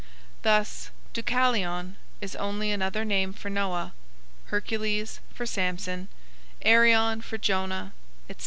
Thus Deucalion is only another name for Noah, Hercules for Samson, Arion for Jonah, etc.